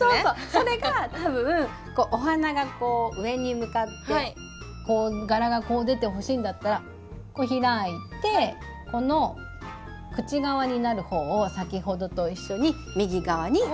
それが多分お花がこう上に向かって柄がこう出てほしいんだったら開いてこの口側になる方を先ほどと一緒に右側に置く。